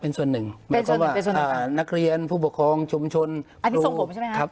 เป็นส่วนหนึ่งเป็นส่วนหนึ่งหมายความว่าอ่านักเรียนผู้ปกครองชุมชนอันนี้ทรงผมใช่ไหมครับ